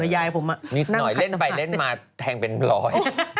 ยายผมนั่งไข่ตาตุ๋มเล่นไปเล่นมาแทงเป็นรอย